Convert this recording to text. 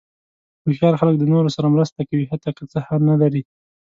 هوښیار خلک د نورو سره مرسته کوي، حتی که څه نه لري.